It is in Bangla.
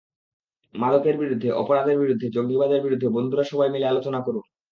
মাদকের বিরুদ্ধে, অপরাধের বিরুদ্ধে, জঙ্গিবাদের বিরুদ্ধে বন্ধুরা সবাই মিলে আলোচনা করুন।